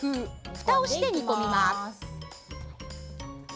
ふたをして煮込みます。